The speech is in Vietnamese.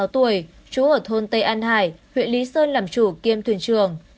ba mươi sáu tuổi chú ở thôn tây an hải huyện lý sơn làm chủ kiêm thuyền trường